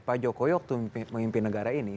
pak jokowi waktu memimpin negara ini